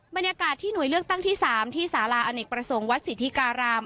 บรรยากาศที่หน่วยเลือกตั้งที่๓ที่สาราอเนกประสงค์วัดสิทธิการาม